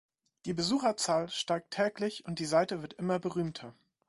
Die Besucherzahl steigt täglich und die Seite wird immer berühmter.